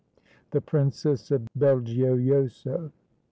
THE PRINCESS OF BELGIOJOSO.